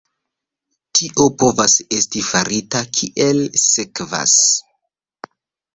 Tio povas esti farita kiel sekvas.